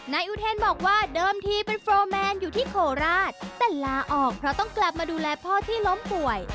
นายอุเทนบอกว่าเดิมทีเป็นโฟร์แมนอยู่ที่โคราชแต่ลาออกเพราะต้องกลับมาดูแลพ่อที่ล้มป่วย